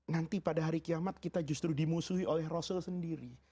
nanti pada hari kiamat kita justru dimusuhi oleh rasul sendiri